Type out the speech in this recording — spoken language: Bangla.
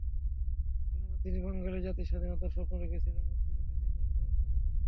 কেননা তিনি বাঙালি জাতির স্বাধীনতার স্বপ্ন দেখেছিলেন, মুক্তি পেতে চেয়েছিলেন পরাধীনতা থেকে।